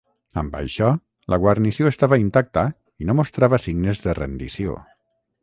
Amb això, la guarnició estava intacta i no mostrava signes de rendició.